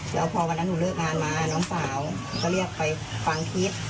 แล้วพอวันนั้นหนูเลิกงานมาน้องสาวก็เรียกไปฟังคลิป